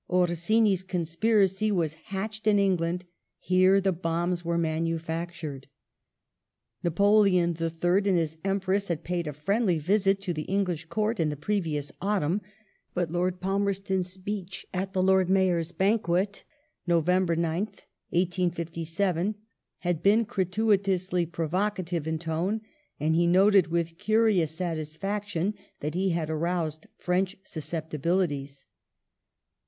Oi sini's conspiracy was hatched in England ; here the bombs were manufactured. Napoleon III. and his Empress had paid a friendly visit to the English Court in the pi evious autumn, but Lord Palmei ston's speech at the Lord Mayor's Banquet (Nov. 9th, 1857) had been gratuitously provo cative in tone, and he noted with curious satisfaction that he had aroused French susceptibilities.